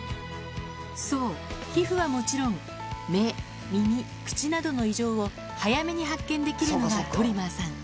そう、皮膚はもちろん、目、耳、口などの異常を早めに発見できるのがトリマーさん。